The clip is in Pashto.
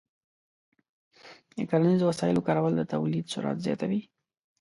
د کرنیزو وسایلو کارول د تولید سرعت زیاتوي.